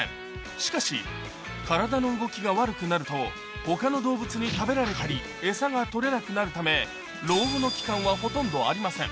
しかし体の動きが悪くなると他の動物に食べられたりエサが取れなくなるため老後の期間はほとんどありません